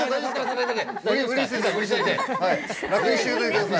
楽にしててください